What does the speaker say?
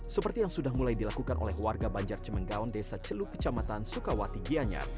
seperti yang sudah mulai dilakukan oleh warga banjar cemenggaon desa celu kecamatan sukawati gianyar